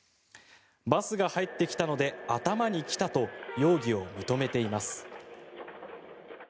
バスが入ってきたので頭にきたと容疑を認めています。